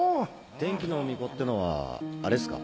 天気の巫女っていうのはあれっすか？